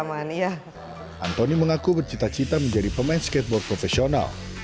antoni mengaku bercita cita menjadi pemain skateboard profesional